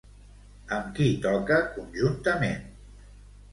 Amb qui toca conjuntament?